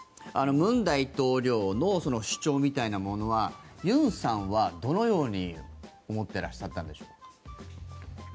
文大統領の主張みたいなものは尹さんはどのように思ってらっしゃったんでしょう。